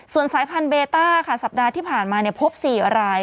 ส่วนสายพันธุเบต้าค่ะสัปดาห์ที่ผ่านมาพบ๔ราย